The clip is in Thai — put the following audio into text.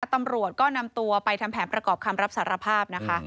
ตำรวจก็นำตัวไปทำแผนประกอบคำรับสารภาพนะคะ